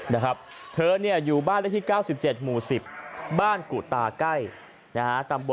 นะครับเธอเนี่ยอยู่บ้านละที่เก้าสิบเจ็ดหมู่สิบบ้านกุตาใกล้นะฮะ